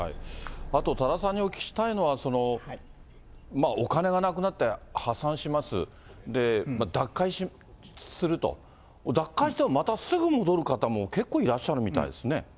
あと多田さんにお聞きしたいのは、お金がなくなって破産します、脱会すると、脱会してもまたすぐ戻る方も結構いらっしゃるみたいですね。